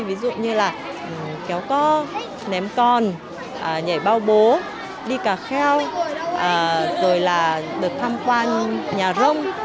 ví dụ như là kéo co ném con nhảy bao bố đi cà kheo rồi là được tham quan nhà rông